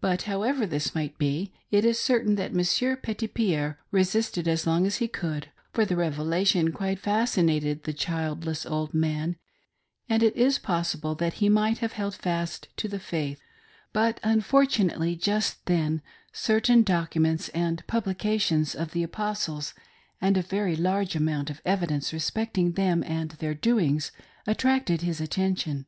But how ever this might be, it is certain that Monsieur Petitpierre resisted as long as he could, for the revelation quite fascinated the childless old man, and it is possible that he might have held fast to the faith; but, unfortunately, just then certain documents and publications of the Apostles, and a very large amount of evidence respecting them and their doings, attracted his attention.